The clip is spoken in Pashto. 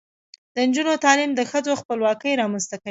د نجونو تعلیم د ښځو خپلواکۍ رامنځته کوي.